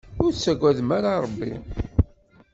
Ur tettagadem ara Rebbi?